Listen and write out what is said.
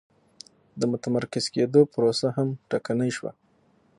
د متمرکز کېدو پروسه هم ټکنۍ شوه.